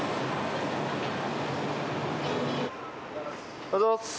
おはようございます。